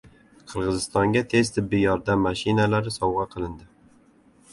Qirg‘izistonga tez tibbiy yordam mashinalari sovg‘a qilindi